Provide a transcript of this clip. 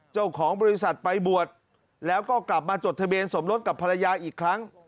เจ้าของบริษัทไปบวชแล้วก็กลับมาจดทะเบียนสมรสกับภรรยาอีกครั้ง